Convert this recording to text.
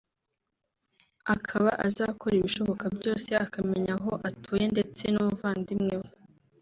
akaba azakora ibishoboka byose akamenya aho atuye ndetse n’umuvandimwe we